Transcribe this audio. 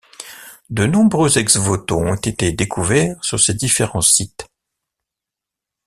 De nombreux ex-votos ont été découverts sur ces différents sites.